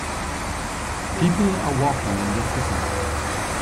People are walking in the city.